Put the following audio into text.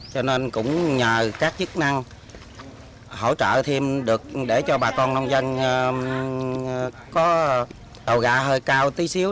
cho nên cũng nhờ các chức năng hỗ trợ thêm được để cho bà con nông dân có đầu gà hơi cao tí xíu